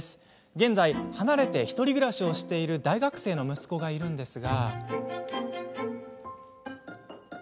現在、離れて１人暮らしをしている大学生の息子がいるのですが。